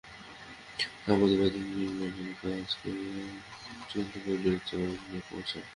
সম্প্রতি বাড়ি নির্মাণের কাজকে কেন্দ্র করে বিরোধ চরমে পৌঁছায়।